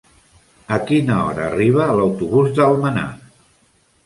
A quina hora arriba l'autobús d'Almenar?